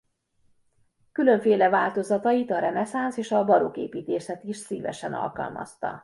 Különféle változatait a reneszánsz és a barokk építészet is szívesen alkalmazta.